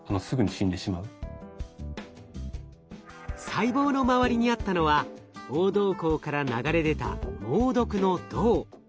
細胞の周りにあったのは黄銅鉱から流れ出た猛毒の銅。